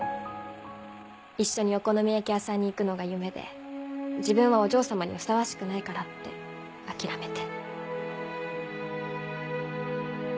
一緒にお好み焼き屋さんに行くのが夢で自分はお嬢様にふさわしくないからって諦めて。